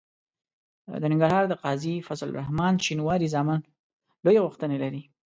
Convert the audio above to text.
د ننګرهار د قاضي فضل الرحمن شینواري زامن لویې غوښتنې لري.